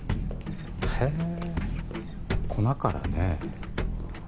へぇ粉からねぇ。